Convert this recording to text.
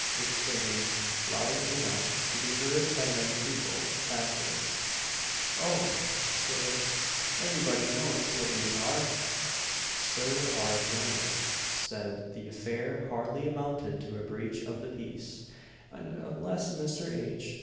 exclaiming, loud enough to be heard by many people passing, "Oh! Sir everybody knows what you are!" SIR R. BIRNIE said the affair hardly amounted to a breach of the peace, and unless Mr. H.